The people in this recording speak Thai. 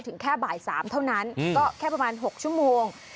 ถึงแค่บ่าย๓เท่านั้นก็แค่ประมาณ๖ชั่วโมง